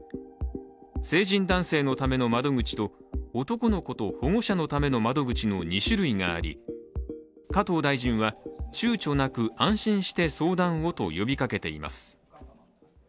成人男性のための窓口と男の子と保護者のための窓口の２種類があり、加藤大臣は、ちゅうちょなく安心して相談をと呼びかけています。